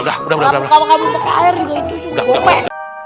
udah puas susu sudah pokoknya bantuin jadi